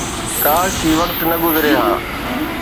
ڪاش هي وقت نه گذري ها.